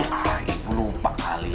ah itu lupa kali